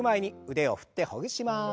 腕を振ってほぐします。